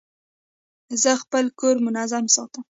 زه خپل کور منظم ساتم.